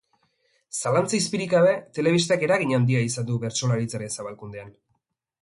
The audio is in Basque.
Zalantza-izpirik gabe, telebistak eragin handia izan du bertsolaritzaren zabalkundean.